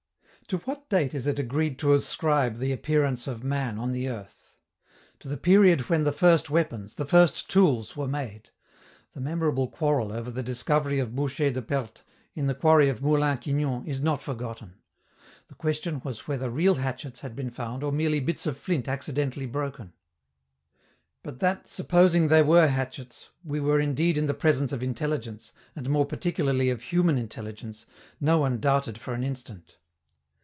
To what date is it agreed to ascribe the appearance of man on the earth? To the period when the first weapons, the first tools, were made. The memorable quarrel over the discovery of Boucher de Perthes in the quarry of Moulin Quignon is not forgotten. The question was whether real hatchets had been found or merely bits of flint accidentally broken. But that, supposing they were hatchets, we were indeed in the presence of intelligence, and more particularly of human intelligence, no one doubted for an instant.